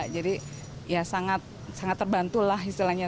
jadi ya sangat terbantu lah istilahnya